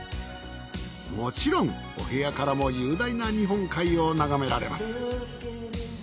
もちろんお部屋からも雄大な日本海をながめられます。